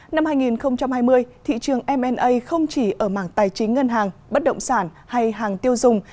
năm hai nghìn hai mươi thị trường m a không chỉ ở mảng tài chính ngân hàng bất động sản hay hàng tiêu dùng